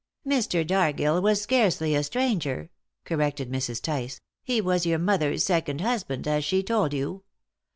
"Mr. Dargill was scarcely a stranger," corrected Mrs. Tice: "he was your mother's second husband, as she told you.